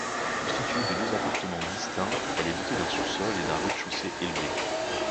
Constituée de deux appartements distincts, elle est dotée d'un sous-sol et d'un rez-de-chaussée élevé.